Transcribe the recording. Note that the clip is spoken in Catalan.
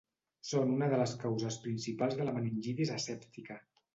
Són una de les causes principals de la meningitis asèptica.